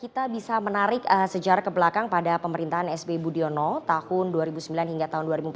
kita bisa menarik sejarah ke belakang pada pemerintahan sby budiono tahun dua ribu sembilan hingga tahun dua ribu empat belas